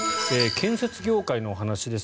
建設業界のお話です。